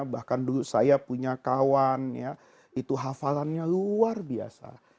bahkan dulu saya punya kawan ya itu hafalannya luar biasa